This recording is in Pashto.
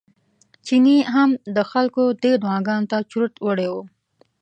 چيني هم د خلکو دې دعاګانو ته چورت وړی و.